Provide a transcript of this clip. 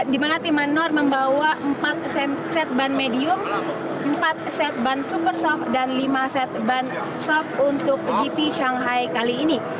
di mana tim manor membawa empat set ban medium empat set ban super soft dan lima set ban soft untuk gp shanghai kali ini